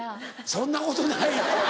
そんなことない。